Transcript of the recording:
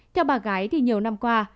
theo bà gái thì nhiều năm qua